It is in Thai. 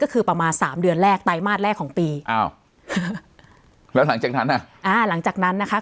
ก็คือประมาณสามเดือนแรกไตมาสแรกของปีอ้าวแล้วหลังจากนั้นอ่ะอ่า